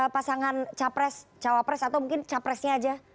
pasangan capres cawapres atau mungkin capresnya aja